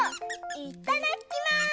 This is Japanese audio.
いただきます！